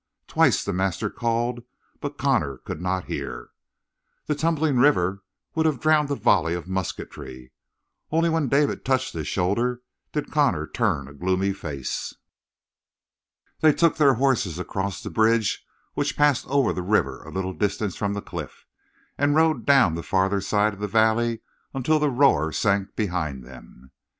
Twice the master called, but Connor could not hear. The tumbling river would have drowned a volley of musketry. Only when David touched his shoulder did Connor turn a gloomy face. They took their horses across the bridge which passed over the river a little distance from the cliff, and rode down the farther side of the valley until the roar sank behind them.